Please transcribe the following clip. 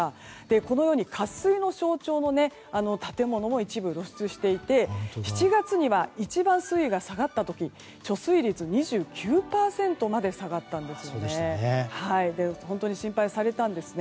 このように渇水の影響で建物も一部、露出していて７月には一番水位が下がった時貯水率２９％まで下がったんですね。